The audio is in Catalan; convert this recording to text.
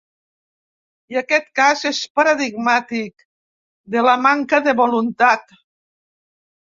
I aquest cas és paradigmàtic de la manca de voluntat.